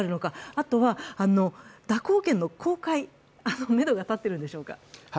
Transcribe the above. あとは、蛇行剣の公開、めどが立っているんでしょうか。